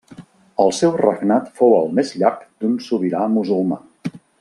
El seu regnat fou el més llarg d'un sobirà musulmà.